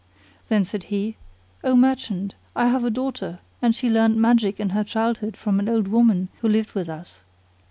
Then said he, "O merchant, I have a daughter, and she learned magic in her childhood from an old woman who lived with us.